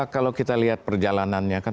kalau kita lihat perjalanannya kan